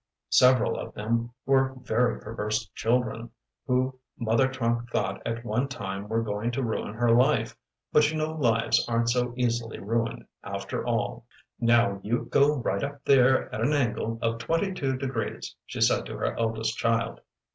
Several of them were very perverse children, who mother trunk thought at one time were going to ruin her life, but you know lives aren't so easily ruined after all. 'Now you go right up there at an angle of twenty two degrees,' she said to her eldest child.